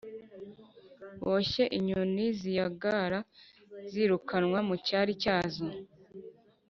boshye inyoni ziyagara, zirukanwe mu cyari cyazo.